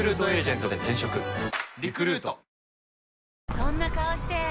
そんな顔して！